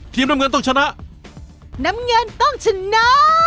น้ำเงินต้องชนะน้ำเงินต้องชนะ